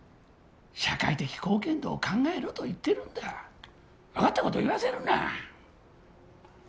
社会的貢献度を考えろと言ってるんだ分かったことを言わせるな！